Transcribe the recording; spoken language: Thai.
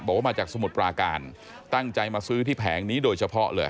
บอกว่ามาจากสมุทรปราการตั้งใจมาซื้อที่แผงนี้โดยเฉพาะเลย